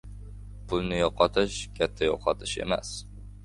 Pulni yo‘qotish – katta yo‘qotish emas.